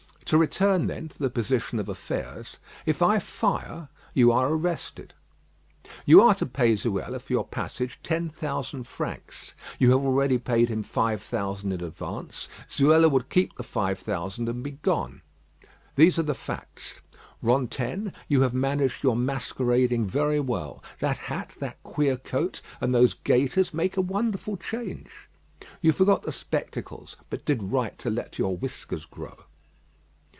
To return, then, to the position of affairs if I fire, you are arrested. You are to pay Zuela for your passage ten thousand francs. You have already paid him five thousand in advance. Zuela would keep the five thousand and be gone. These are the facts. Rantaine, you have managed your masquerading very well. That hat that queer coat and those gaiters make a wonderful change. You forgot the spectacles; but did right to let your whiskers grow."